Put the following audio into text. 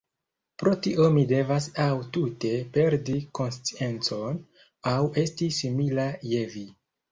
Pro tio mi devas aŭ tute perdi konsciencon, aŭ esti simila je vi.